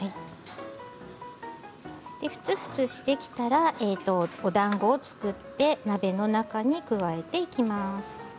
ふつふつしてきたらおだんごを作って鍋の中に加えていきます。